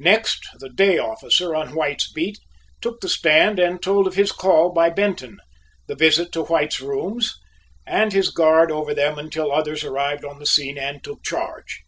Next the day officer on White's beat took the stand and told of his call by Benton, the visit to White's rooms, and his guard over them until others arrived on the scene and took charge.